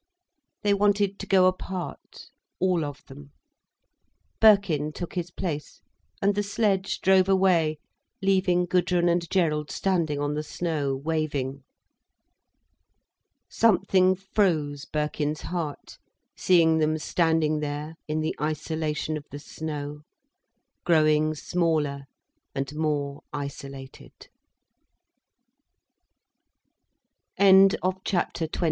They wanted to go apart, all of them. Birkin took his place, and the sledge drove away leaving Gudrun and Gerald standing on the snow, waving. Something froze Birkin's heart, seeing them standing there in the isolation of the snow, growing smaller and more isolated. CHAPTER XXX.